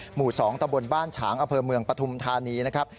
หมู่๒ตะบนบ้านฉางอเภอเมืองปฐุมธานีนะครับ